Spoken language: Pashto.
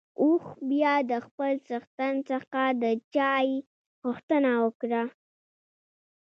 اوښ بيا د خپل څښتن څخه د چای غوښتنه وکړه.